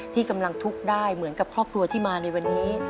ที่กำลังทุกข์ได้เหมือนกับครอบครัวที่มาในวันนี้